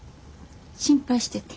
心配しててん。